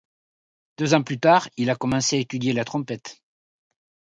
Deux ans plus tard, il a commencé à étudier la trompette.